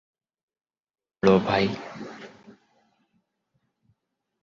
এটা কী করলে ভাই!